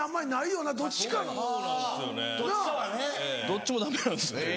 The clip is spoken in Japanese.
どっちもダメなんですよ。